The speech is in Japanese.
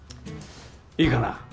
いいかな。